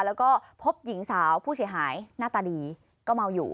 แล้วก็พบหญิงสาวผู้เสียหายหน้าตาดีก็เมาอยู่